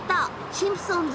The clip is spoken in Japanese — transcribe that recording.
シンプソンズ。